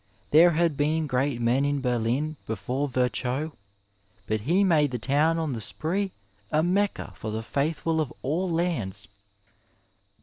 There had been great men in Berlin before Virohow, but he made the town on the Spree a Mecca for the faithful of all lands.